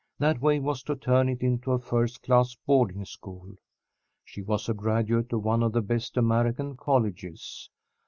That way was to turn it into a first class boarding school. She was a graduate of one of the best American colleges.